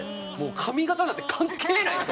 髪形なんて関係ないと。